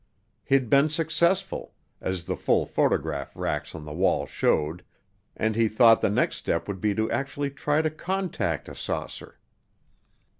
He'd been successful, as the full photograph racks on the wall showed, and he thought the next step would be to actually try to contact a saucer.